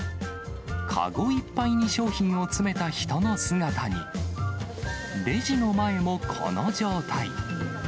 籠いっぱいに商品を詰めた人の姿に、レジの前もこの状態。